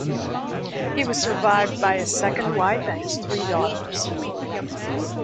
He was survived by his second wife, and his three daughters.